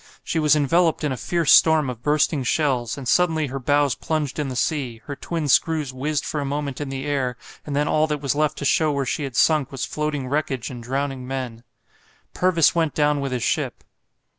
She was enveloped in a fierce storm of bursting shells, and suddenly her bows plunged in the sea, her twin screws whizzed for a moment in the air, and then all that was left to show where she had sunk was floating wreckage and drowning men. Purvis went down with his ship.